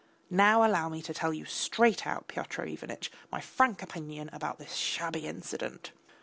Now allow me to tell you straight out, Pyotr Ivanitch, my frank opinion about this shabby incident.